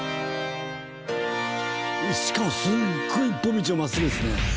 しかもすっごい一本道を真っすぐですね。